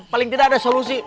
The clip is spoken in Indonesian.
paling tidak ada solusi